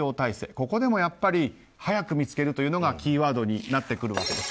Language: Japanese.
ここでもやはり早く見つけるというのがキーワードになってくるわけです。